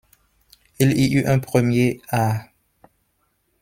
Il y eut un premier « ah !